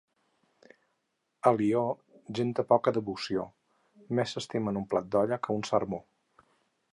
Alió, gent de poca devoció. Més s'estimen un plat d'olla, que un sermó.